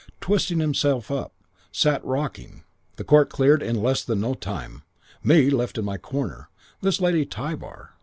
Twisted himself up. Sat rocking. "Court cleared in less than no time. Me left in my corner. This Lady Tybar.